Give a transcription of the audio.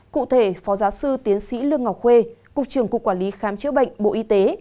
cụ thể phó giáo sư tiến sĩ lương ngọc huê cục trưởng cục quản lý khám chữa bệnh bộ y tế